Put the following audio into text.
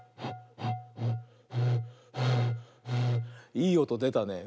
いいおとでたね。